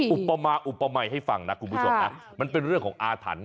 มาอุปมัยให้ฟังนะคุณผู้ชมนะมันเป็นเรื่องของอาถรรพ์